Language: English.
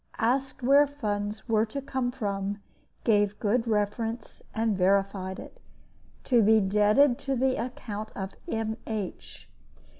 Asked where funds were to come from; gave good reference, and verified it. To be debited to the account of M. H.